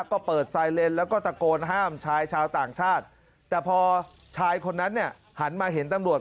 ก็เปิดไซเลนแล้วก็ตะโกนห้ามชายชาวต่างชาติแต่พอชายคนนั้นเนี่ยหันมาเห็นตำรวจ